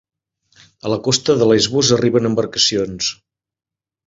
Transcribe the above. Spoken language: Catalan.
A la costa de Lesbos arriben embarcacions